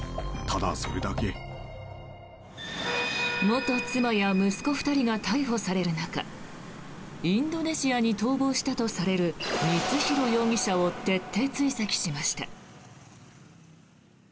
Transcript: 元妻や息子２人が逮捕される中インドネシアに逃亡したとされる光弘容疑者を徹底追跡しました。